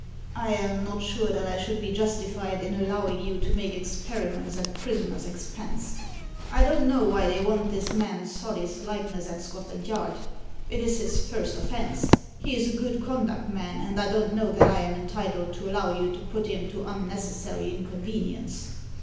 I am not sure that I should be justified in allowing you to make experiments at prisoners' expense. I don't know why they want this man Solly's likeness at Scotland Yard. It is his first offence, he is a good conduct man, and I don't know that I am entitled to allow you to put him to unnecessary inconvenience."